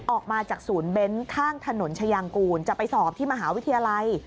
ออกมาจากศูนย์เบ้นข้างถนนชายางกูลจะไปสอบที่มหาวิทยาลัย